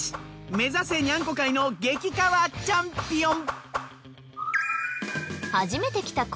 目指せニャンコ界の激かわチャンピオン！